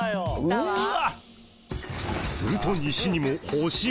うわ！